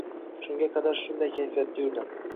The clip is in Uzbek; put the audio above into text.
Shunga qadar shunday kayfiyatda yurdim.